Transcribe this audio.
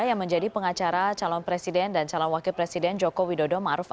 yang menjadi pengacara calon presiden dan calon wakil presiden jokowi ma'ruf